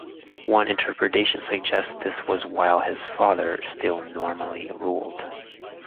One interpretation suggests this was while his father still nominally ruled.